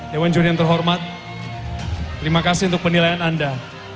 dewan juri yang terhormat terima kasih untuk penilaian anda